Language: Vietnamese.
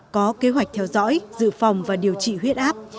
có kế hoạch theo dõi dự phòng và điều trị huyết áp